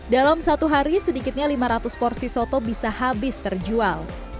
dalam satu hari sedikitnya lima ratus porsi soto bisa habis terjual